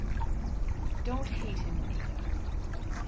"DON'T HATE HIM, ADA."